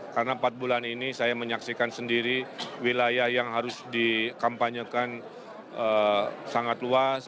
karena empat bulan ini saya menyaksikan sendiri wilayah yang harus dikampanyekan sangat luas